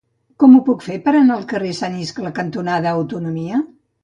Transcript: Com ho puc fer per anar al carrer Sant Iscle cantonada Autonomia?